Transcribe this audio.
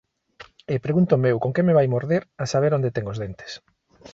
E pregúntome eu: con que me vai morder? A saber onde ten os dentes!